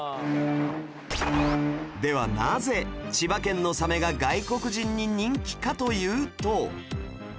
ではなぜ千葉県のサメが外国人に人気かというと